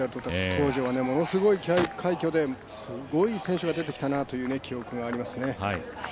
当時はものすごい快挙ですごい選手が出てきたなという記憶がありますね。